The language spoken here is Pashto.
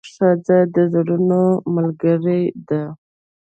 ښځه د زړونو ملګرې ده.